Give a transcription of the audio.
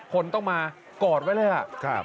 คนต้องมากอดไว้เลย